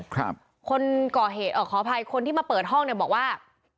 คนก่อเหตุเอ่อขออภัยคนที่มาเปิดห้องเนี่ยบอกว่า